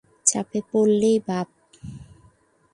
চাপ পড়লেই বাপ।